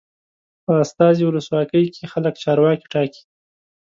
په استازي ولسواکۍ کې خلک چارواکي ټاکي.